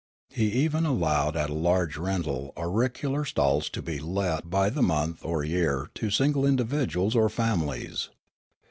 He even allowed at a large rental auricular stalls to be let by the month or 3'ear to single individuals or families.